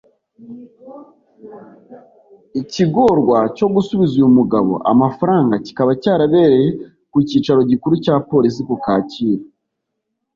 ikigorwa cyo gusubiza uyu mugabo amafaranga kikaba cyarabereye ku Cyicaro gikuru cya Polisi ku Kacyiru